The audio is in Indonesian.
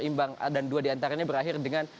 imbang dan dua diantaranya berakhir dengan